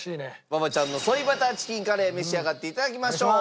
馬場ちゃんのソイバターチキンカレー召し上がっていただきましょう。